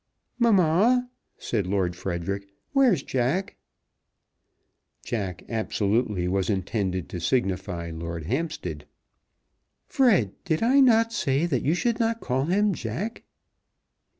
"Mamma," said Lord Frederic, "where's Jack?" "Jack" absolutely was intended to signify Lord Hampstead. "Fred, did not I say that you should not call him Jack?"